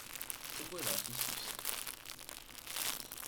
Ttagadeɣ tissist!